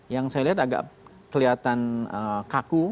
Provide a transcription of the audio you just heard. yang saya lihat agak kelihatan kaku